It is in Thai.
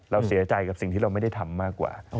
เราเสียใจกับสิ่งที่เราไม่ได้ทำมากกว่า